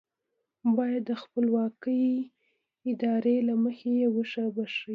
بايد د خپلواکې ارادې له مخې يې وبښي.